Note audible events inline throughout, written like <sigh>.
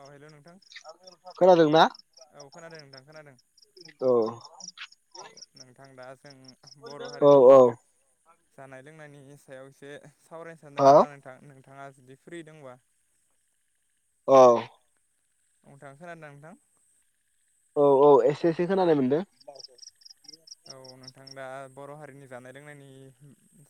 औ- हेल' नोंथां खोनादोंना औ- खोनादों नोंथां खोनादों औ औ- नोंथां दा- जों बर' हारिनि औ- औ- जानाय लोंनायनि सायाव एसे सावरायनो औ सानदों आरोना नोंथां। नोंथाङा जुदि फ्रि दंबा औ- नोंथां खोनादों नोंथां औ- औ- एसे- एसे- खोनानाय मोनदों औ- नोंथां दा बर' हारिनि जानाय लोंनायनि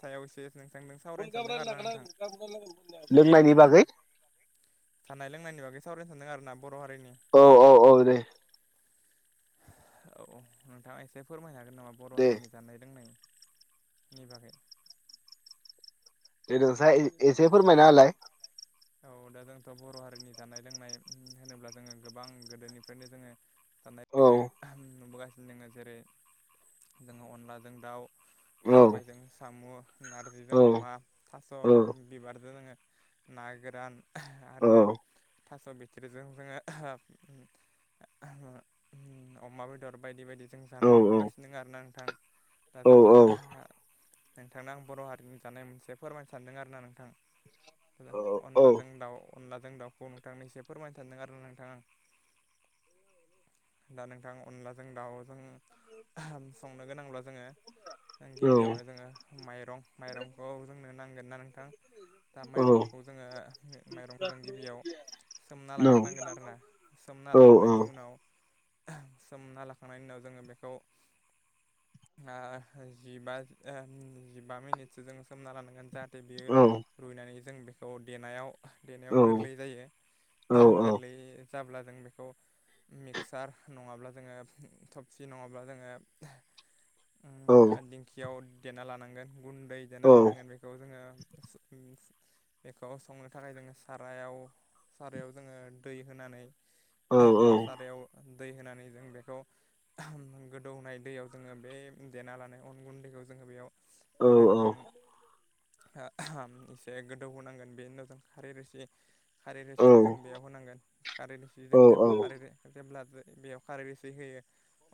सायाव एसे नोंथांजों सावरायनो सानदों आरोना नोंथां लोंनायनि बागै जानाय लोंनायनि बागै सावरायनो सानदों आरोना बर' हारिनि। औ- औ- औ- दे- औ- नोंथाङा एसे फोरमायनो हागोन नामा बर' दे हारिनि जानाय लोंनायनि निभागै। बे ननोस एसे फोरमायनाालाय <unintelligible> औ- दा- जोंथ' बर' हारिनि जानाय लोंनाय होनोब्ला जोङो गोबां गोदोनिफ्रायनो जोङो जानाय औ लोंनाय नुबोगासिनो जोङो जेरै जोङो अनलाजों दाउ औ सबायजों साम' नारजिजों अमा थास' औ बिबारजों जोङो ना गो गोदान आरो थास' बिथ्रिजों जोङो अमा बेदर बायदि बायदि जों औ जानाय नुबोगानिनो दं आरो ना। गोथां दा औ जों औ औ नोंथांनो आं बर' हारिनि जानाय मोनसे फोरमायनो सानदों आरोना नोंथां। नंगौ अनलाजों दाउ अनलाजों दाउखौ नोंथांनि एसे फोरमायनो सानदों आरो नोंथां आं। दा नोंथां अनलाजों दाउजों संनो गोनांब्ला जोङो गिबियावनो जोङो माइरं माइरंखौ जोंनो नांगोन ना नोंथां दा माइरंखौ जोङो माइरंखौ जों गिबियाव सोमना लाग्रोनांगोन आरोना सोमना लाखांनायनि उनाव सोमना लाखांनायनि उनाव जोङो बेखौ जिब जिबा मिनिटसो जों सोमना लानांगोन जाहाथे बेयो रुइ जों बेखौ दनायाव देनायाव गोरलै जायो गोरलै जाब्ला जों बेखौ मिक्सार नङाब्ला जोङो थबसि नङाब्ला जोङो आरो दिंखियाव देना लानांगोन गुन्दै देना लानांगोन बेखौ जोङो बेखौ संनो थाखाय जोङो सारायाव सारायाव जोङो दै होनानै सारायाव दै होनानै जों बेखौ गोदौनाय दैयाव जोङो बे देना लानाय अन गुन्दैखौ जोङो बेयाव होनानै जों एसे गोदौ होनांगोन बेनि उनाव जों खारै रोसि खारै रोसिखौ जों बेयाव होनांगोन खारै रोसि जों जेब्ला जेब्ला बेयाव खारै रोसि होयो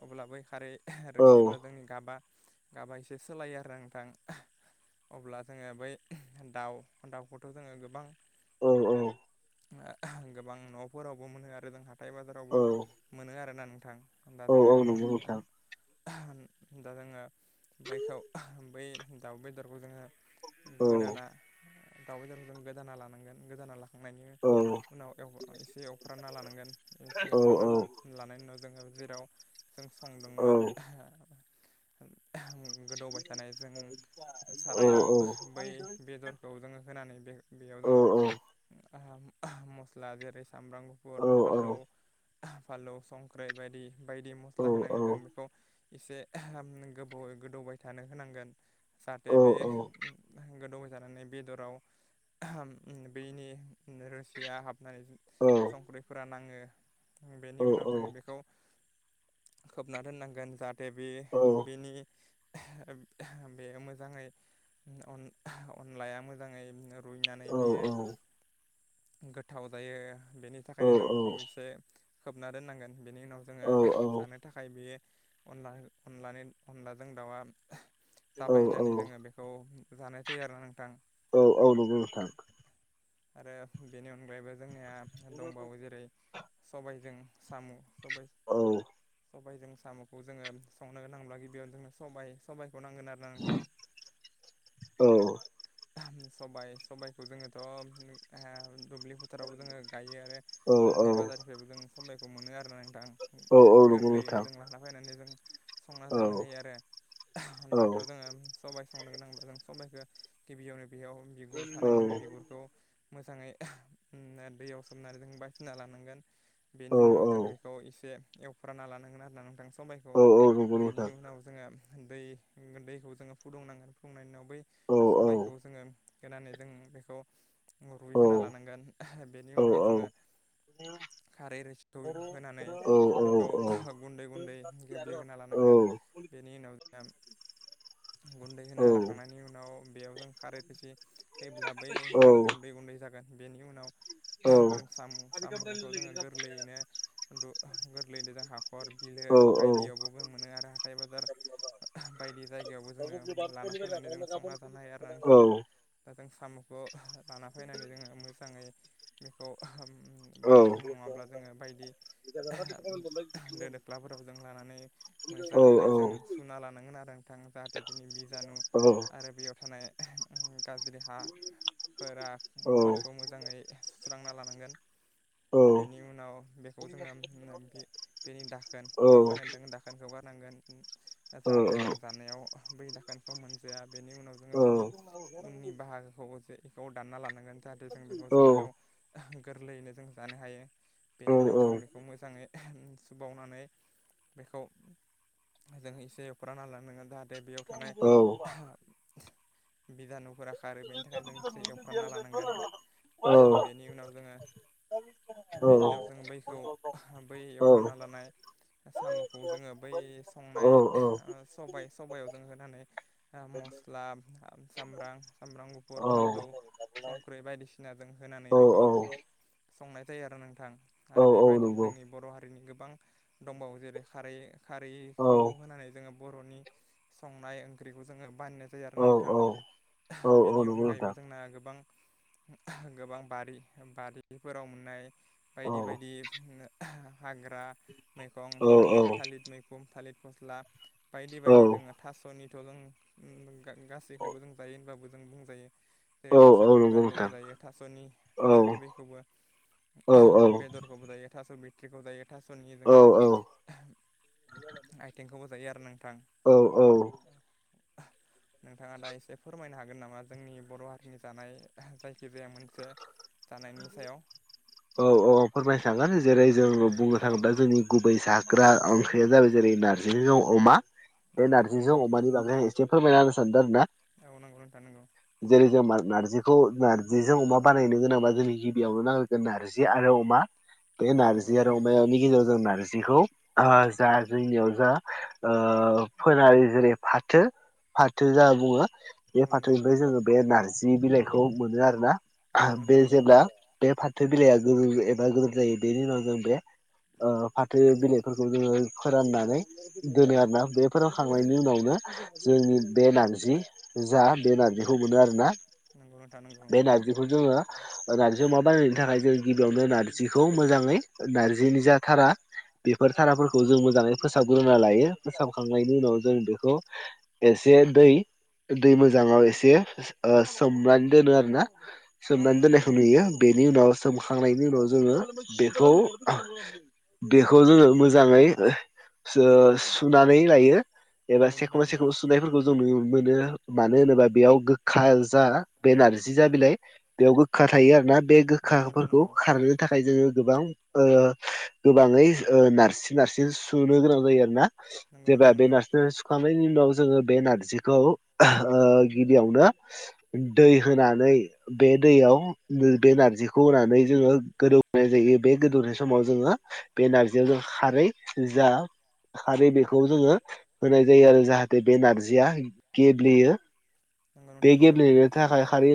अब्ला बै खारै <unintelligible> जोंनि गाबा गाबा एसे सोलायो आरो नोंथां अब्ला जोङो बै दाउ दाउखौथ' जोङो गोबां गोबां न'फोरावबो मोनो आरो जों हाथाय बाजारावबो मोनो आरो ना थां दा जोङो न'नि नोंथां दा जोङो बैखौ बै दाउ बेदरखौ जोङो औ गोदाना दाव बेदर खो नों गोदाना लानांगोन गोदाना लाखांनायनि औ उनाव एसे एवफ्रामना लानांगोन एसे औ एवफ्रामना लानायनि उनाव जोङो जेराव जों संदोंमोन गोदौबाय थानाय जों सारायाव जों <unintelligible> होनानै बे-बेयाव जोङो मस्ला जेरै सामब्रां गुफुर फानलु फालौ संख्रि बायदि बायदि मस्ला होनानै जों बेखौ एसे गोबाव गोदौबाय थानो होनांगोन जाहाथे बे गोदौबाय थानानै बेदराव बेनि रोसिया हाबनानै संख्रिफोरा नाङो बेनि उनाव जोङो बेखौ खोबना दोननांगोन जाहाथे बे बेनि बे मोजां अनलाया मोजाङै रुइनानै बेयो <unintelligible> गोथाव जायो बेनि थाखायनो जों बेखौ एसे खोबना दोननांगोन बेनि उनाव जोङो जानो थाखाय बेयो अनला अनलानि अनलाजों दाउआ जाबाय होननानै जोङो बेखौ जानाय थायो आरोना नोंथां औ औ नंगौ नोंथां आरो बेनि अनगायैबो जोंनिया दंबावो जेरै सबायजों साम' सबाय सबायाइजों साम'खौ जोङो संनो गोनांब्ला गिबियावनो जोंनो सबाइ सबखौ नांगोन आरो ना नोंथां <inaudible> औ सबाइ सबायाइखौ जोङोथ' दुब्लि फोथाराव जोङो गायो आरो नंगौ नोंथां औ नंगौ हाथाय बाजारनिफ्रायबो जों समायखौ मोनो आरोना नोंथां। गोरलैयैनो नोंथां जों लाना फैनानै जों संना जानो हायो आरो। ओ दाथ' औ जोङो सबाय संनो गोनांब्ला‌जों सबायखौ गिबियावनो बेयाव बिगुर थानाय जों बिगुरखौ मोजाङै ओ दैयाव सोमनानै जों बासिना लानांगोन औ बेनि उनाव जों औ बेखौ इसे एवफ्राना लानांगोन आरो ना नोंथां समबायखौ औ औ नंगौ बेनि नोंथां उनाव जोङो दै दैखौ जोङो फुदुंनांगोन फुदुंनायनि उनाव बै औ औ औ सबायखौ जोङो होनानै जों बेखौ रुइहोना लानांगोन बेनि उनाव जोङो <inaudible> ओं खारै रिसिखौ होनानै बेखौ गुन्दै गुन्दै गेब्लेहोना लानांगोन बिनि उनाव ओम गुन्दै होना लाखांनायनि उनाव बेयाव जों खारै इसि होयोब्ला बै गुन्दै गुन्दै जागोन बेनि उनाव जों साम' साम'खौथ' जोङो गोरलैयैनो दु गोरलैयै जा हाखर बिलो औ औ बायदियावबो मोनो आरो हाथाय बाजार बायदि औ नंगौ औ जायगायावबो जोङो लाना फैनानै जों संना जानो हायो आरो नोंथां दा जों साम'खौ लाना फैनानै जोङो मोजाङै बेखौ ओम बाल्थिं नङाब्ला जोङो बायदि दो दोख्लाफोराव जों लानानै मोजाङै दैजों सुना लानांगोन आरो नोंथां जाहाथे बिनि बिजानु आरो बेयाव थानाय गाज्रि हा फोरा फोरखौ मोजाङै सुस्रांना लानांगोन बेनि उनाव बेखौ जोङो बे बेनि दाखोन खुगायाव थानाय दाखोनखौ गारनांगोन जाहाथे जों जानायाव बै दा खोनखौ मोनजाया बेनि उनाव जों बेनि उननि बाहागोखौ जे बेखौ दानना लानांगोन जाहाथे जों बेखौ जानायाव गोरलैयैनो जों जानो हायो बेनि उनाव जों बेखौ मोजाङै सुबुबावनानै बेखौ जों एसे एवफ्राना लानांगोन जाहाथे बेयाव थानाय बिजानुफोरा खारो बेनि थाखायनो जोंसे एवफ्रामना लानांगोन बेनि उनाव जोङो बेनि उनाव जों बैखौ बैयाव एवफ्राना लानाय साम'खौ जोङो बै संनाय ओ सबाय सबायाव जों होनानै मस्ला, सामब्रां, सामब्राम गुफुर, फानलौ संख्रि बायदिसिना जों होनानै बेखौ संनाय जायो आरो नोंथां आरो बेबायदिनो जोंनि बर' हारिनि गोबां दंबावो जेरै खारै खारैखौ होनानै जोङो बर'नि संनाय ओंख्रिखौ जोङो बाननाय जायो आरो नों थां औ औ बेनि नंगौ अनगायैबो नोंथां जोंना गोबां गोबां बारि बारिफोराव मोननाय औ बायदि औ बायदि हाग्रा मैगं औ थालिर थालिर मैखुं, थालिर फस्ला बायदि बायदि जोङो थास'निथ' जों ओं गा खौबो जों जायोब जों बुंजायो जेरै औ औ थास'नि नंगौ बिबारखौबो नोंथां जायो थ औ थास'नि बेखौ बो औ औ बेदरखौबो जायो, थास' बिथट्रिखौ जायो थास'नि जोङो आइटेंखौबो जायो आरो नोंथां औ औ औ नोंथाङा दा एसे फोरमायनो हागोन नामा जोंनि बर' हारिनि जानाय जायखिजाया मोनसे जानायनि सायाव। औ औ फोरमायनो थांब्लानो जेरै औ जोंङो बुंनो नोंथां औ थाङोब्ला जोंनि गुबै जाग्रा ओं ख्रिया जाबाय जेरै नारजि जों अमा। बे औ नोंथां नारजिजों नंगौ अमानि बागै एसे फोरमायना होनो सानदों आरो ना नोंगौ नोंथां नोंगौ जेरै जों नारजिखौ नारजिजों अमा बानायनो गोनांबा जोंनि गिबियावनो नांगिरगोन नारजि आरो अमा औ बे नंगौ नारजि नोंथां आरो नंगौ अमानि गेजेराव नार बिखौ आ जा जोंनियाव जा ओ फोनानै जेरै फाथो फाथो जा औ बुङो बे नंगौ नोंथां फाथोनिफ्राय नंगौ जोङो बे नारजि बिलाइखौ मोनो आरोना नंगौ बे नोंथां नंगौ जेब्ला बे फाथो बिलाइया गोजौ एबा ग्रोम जायो बेनि उनाव जों बे ओ फाथो बिलाइफोरखौ जोङो फोराननानै दोनो आरोना बे फोरानखांनायनि उनावनो जोंनि बे नारजि जा बे नारजिखौ मोनो आरोना नंगौ नोंथां नंगौ बे नारजिखौ जोङो नार्जि अमा बायनायनि थाखाय जोंङो गिबियावनो नार्जिखौ मोजाङै नार्जिनि जाथारा बेफोर साराफोरखौ जों मोजाङै फोसाबग्रोना लायो फोसाबखांनायनि उनाव जों बेखौ एसे एसे दै दै मोजाङाव एसे ओ सोमनानै दोनो आरो ना औ सोमनान दोननायखौ नुयो बेनि नाव सोम- खांनायनि उनाव जोङो बेखौ बेखौ जोङो मोजाङै ओ सुनानै लायो एबा नंगौ नोंथां सेख'बा नंगौ सेखबा सुनायफोरखौ जों नुनो मोनो मानो होनोबा बेयाव गोखा जा बे नारजि जा बिलाय बेयाव गोखा थायो आरो ना बे नंगौ नोंथां गोखाफोरखौ नंगौ खारहोनो थाखाय जोङो गोबां ओ गोबाङै ओ नारसिन नारसिन सुनो गोनां जायो आरोना नंगौ जेबब्ला नोंथां बे नंगौ नारजि सुखांनायनि उनाव जोङो बे नारजिखौ गिबियावनो दै होनानै बे दैयाव बे नारजिखौ होनानै जोङो गोदौनाय जायो बे गोदौनाय समाव जोङो बे नारजियाव जों खारै जा खारै बेखौ जोङो होनाय जायो आरो जाहाथे बे नारजिया गेब्लेयो नंगौ बे गेब्लेनो थाखाय खारि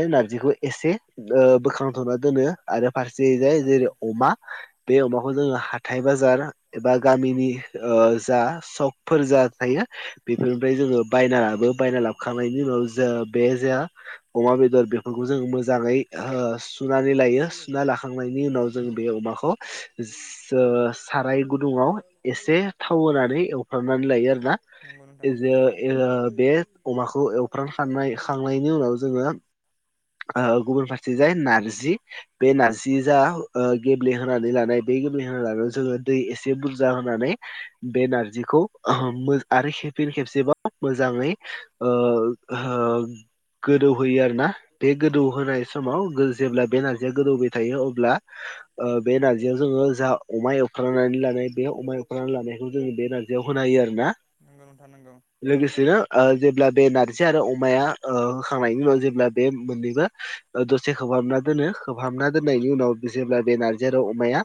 <unintelligible> नारजिखौ एसे ओ बोखांथ'ना दोनो आरो फारसे जाय नोंथां जेरै अमा बे अमाखौ जोङो हाथाय बाजार एबा गामिनि ओ जा सकफोर जा थायो बेफोरनिफ्राय जोङो बायनांआबो बायनानै लाबोखांनायनि उनाव जों बे जे अमा बेदर बेफोरखौ जों मोजाङै सु नानै लायो सुना नंगौ लाखांनायनि उनाव जों नोंथां बे नंगौ अमाखौ साराय गुदुआव एसे थाव होनानै एवफ्रामनानै लायो आरो नंगौ नोंथां नंगौ ना अमाखौ एवफ्राम खांनाय खांनायनि उनाव जोङो गुबुन फारसे जाय नारजि बे नारजि जा गेब्लेहोनानै लानाय इसे गेल्बे होननानै जोंङो दै एसे बुर बुरजा होनानै बे नारजिखौ आरो फिन खेबसेबाव मोजाङै ओ ओ गोदौहोयो आरोना बे गोदौहोनाय समाव जेब्ला बे नार्जिया गोदौबाय थायो अब्ला ओ बे नारजियाव जोङो जा अमा एवखांनानै लानाय बे अमा एवखांनान लानायखौ जोंङो बे नारजियाव होनो हायो आरो ना नंगौ नोंथां नंगौ लोगोसेनो ओ जेब्ला बे नारजि आरो अमाया होखांनायनि उनाव जेब्ला बे मोननैबो खोबहाबना दोनो खोबहाबना दोननायनि उनाव जेब्ला नारजि आरो अमाया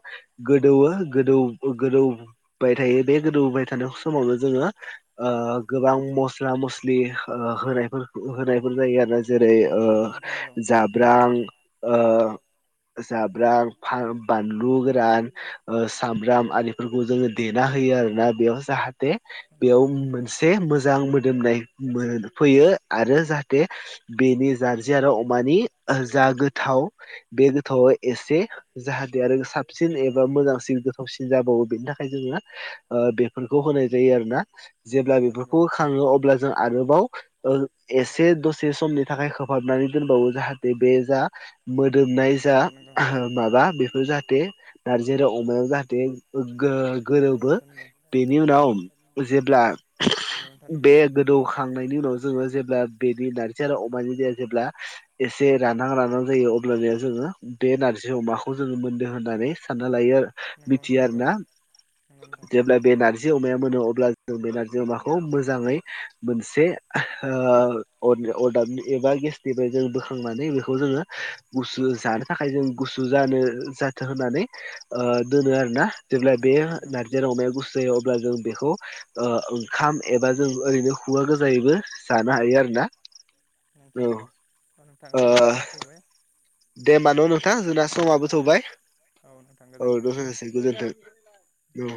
गोदौवो गोदौबाय थायो बे गोदौबाय थानाय समावनो जोङो ओ गोबां मस्ला मस होनायफोर जायो जेरै ओ नंगौ नोंथां नंगौ जाब्रां ओ जाब्रां बानलु गोरान सामब्राम आरि फोरखौ जोंङो देना होयो आरोना बेयाव जाहाथे नंगौ नोंथां नंगौ नोंथां मोन नंगौ फैयो आरो जाहाथे बेनि नारजि आरो अमानि जा गोथाव बे गोथावआ एसे जाहाथे आरो साबसिन नंगौ एबा नोंथां नंगौ मोजांसिन गोथावसिन जाबावो बेनि थाखाय जोंङो बेफोरखौ होनाय जायो आरोना नंगौ जेब्ला नोंथां नंगौ बेफोरखौ होखाङो अब्ला जों आरोबाव एसे दसे समनि थाखाय खोहाबनानै दोनबावो जाहाथे बे जा मोदोमनाय नंगौ जा नोंथां नंगौ माबा बेफोर जाहाथे नारजि आरो अमायाव जाहाथे नंगौ गोरोबो नोंथां नंगौ बेनि उनाव जेब्ला बे गोदौखांनायनि उनाव जोंङो जेब्ला बेनि नारजि आरो जेब्ला एसे रानहां रानां जायो अ जोंङो बे नारजि अमाखौ जोंङो होननानै सानना लायो आरो नंगौ नोंथां नंगौ नोंथां नंगौ नोंथां नंगौ नोंथां मिथियो आरो ना नंगौ नोंथां जेब्ला बे नारजि अमाया मोनो अब्ला जों बे नारजि अमाखौ मोजांङै मोनसे अदाब एबा गेसनिफ्राय जों बोखांनानै बेखौ जोंङो गुसु जानो थाखाय जों गुसु जानो जाथों होननानै दोनो आरो। ना जेब्ला बे नंगौ नारजि अमाया गुसु जायो अब्ला जों बेखौ ओंखाम एबा जों ओरैनो खुगा गोजायैबो जानो हायो आरोना। औ नोंथां नंगौ नोंथां ओ टाइमावबो थौवबाय। दे होमबा न' नोंथां जोंना समाबो थौबाय। औ नोंथां औ गोजोन्थों दसायै गोजोनथों औ।